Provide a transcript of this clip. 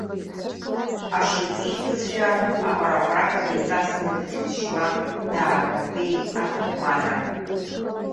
Ашыӡ ихьызшәа аҟәара-ҟәараҳәа деиҵасны дхьҭышьуа даагәаҭеиит аҭаҳмада.